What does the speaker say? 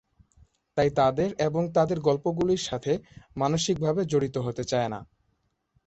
তাই তাদের এবং তাদের গল্পগুলির সাথে মানসিকভাবে জড়িত হতে চায় না।